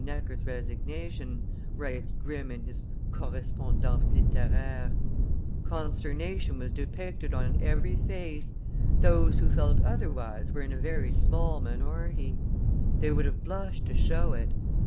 Necker's resignation," writes Grimm in his Correspondance litteraire; "consternation was depicted on every face; those who felt otherwise were in a very small minority; they would have blushed to show it.